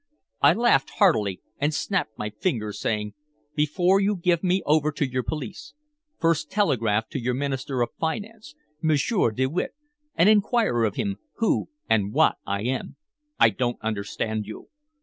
I laughed heartily and snapped my fingers, saying: "Before you give me over to your police, first telegraph to your Minister of Finance, Monsieur de Witte, and inquire of him who and what I am." "I don't understand you."